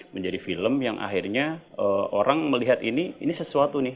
menjadi film yang akhirnya orang melihat ini ini sesuatu nih